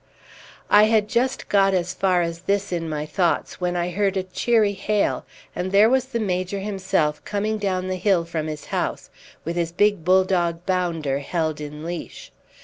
I had just got as far as this in my thoughts when I heard a cheery hail, and there was the Major himself coming down the hill from his house, with his big bulldog Bounder held in leash.